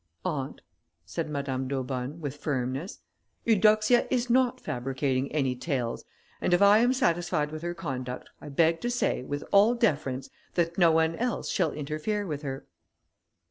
"Aunt," said Madame d'Aubonne, with firmness, "Eudoxia is not fabricating any tales; and if I am satisfied with her conduct, I beg to say, with all deference, that no one else shall interfere with her."